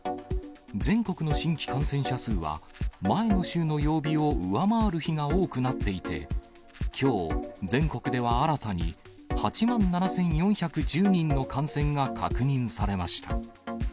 全国の新規感染者数は前の週の曜日を上回る日が多くなっていて、きょう、全国では新たに８万７４１０人の感染が確認されました。